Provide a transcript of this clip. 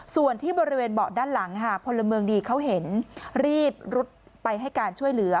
ส่วนที่บริเวณเบาะด้านหลังค่ะพลเมืองดีเขาเห็นรีบรุดไปให้การช่วยเหลือ